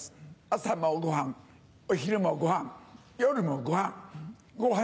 朝もご飯お昼もご飯夜もご飯。